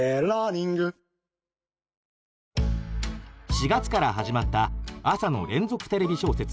４月から始まった朝の連続テレビ小説